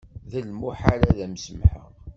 D lmuḥal ad m-samḥeɣ.